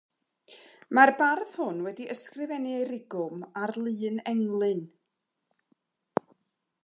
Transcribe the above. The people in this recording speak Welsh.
Mae'r bardd hwn wedi ysgrifennu ei rigwm ar lun englyn.